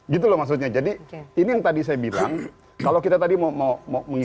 gitu loh maksudnya jadi ini yang tadi saya bilang kalau kita tadi mau mengikuti